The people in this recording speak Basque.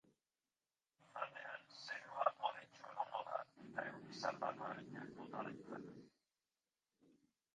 Igandean, zerua hodeitsu egongo da eta euri zaparra arinak bota ditzake.